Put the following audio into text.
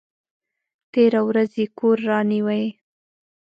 تېره ورځ یې کور رانیوی!